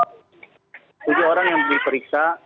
tujuh orang yang diperiksa